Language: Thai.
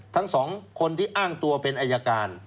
ทั้งสองคนที่อ้างตัวเป็นอายการ